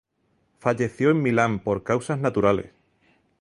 Falleció en Milán, por causas naturales.